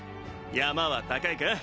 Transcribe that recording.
山は高いか？